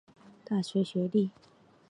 大学学历。